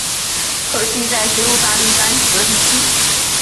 可惜在直路发力一般只得第七。